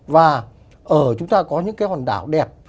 và ở chúng ta có những cái hòn đảo đẹp